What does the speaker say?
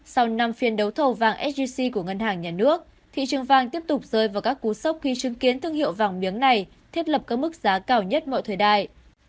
sau năm phiên đấu thầu vàng sgc của ngân hàng nhà nước thị trường vàng tiếp tục rơi vào các cú sốc khi chứng kiến thương hiệu vàng miếng này thiết lập các mức giá cao nhất mọi thời đại